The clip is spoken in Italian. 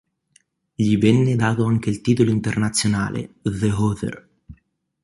Gli venne dato anche il titolo internazionale "The Other".